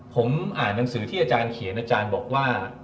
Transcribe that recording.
ผมอ่านหนังสือที่อาจารย์เขียนอาจารย์บอกว่า